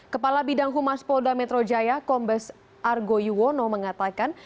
kepala bidang humas polda metro jaya kombes argo yuwono mengatakan